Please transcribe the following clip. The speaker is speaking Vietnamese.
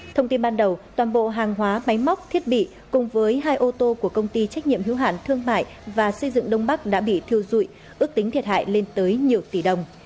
thông tin ban đầu toàn bộ hàng hóa máy móc thiết bị cùng với hai ô tô của công ty trách nhiệm hiếu hạn thương mại và xây dựng đông bắc đã bị thiêu dụi ước tính thiệt hại lên tới nhiều tỷ đồng